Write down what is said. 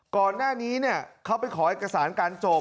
ก่อนหน้านี้เขาไปขอเอกสารการจบ